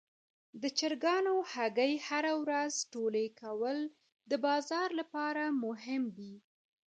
د چرګانو هګۍ هره ورځ ټولې کول د بازار لپاره مهم دي.